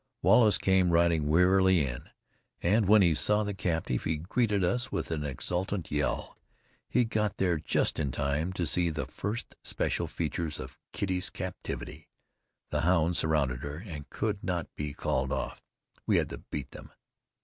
Wallace came riding wearily in, and when he saw the captive, he greeted us with an exultant yell. He got there just in time to see the first special features of Kitty's captivity. The hounds surrounded her, and could not be called off. We had to beat them.